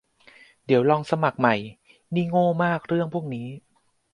เดี๋ยวลองสมัคร นี่โง่มากเรื่องพวกนี้